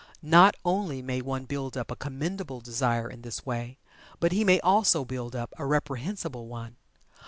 Not only may one build up a commendable desire in this way, but he may also build up a reprehensible one.